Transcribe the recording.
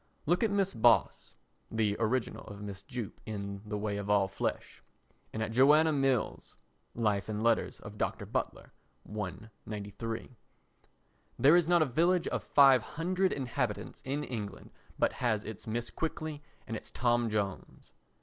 Look at Mrs. Boss [the original of Mrs. Jupp in The Way of All Flesh] and at Joanna Mills [Life and Letters of Dr. Butler, I, 93]. There is not a village of 500 inhabitants in England but has its Mrs. Quickly and its Tom Jones.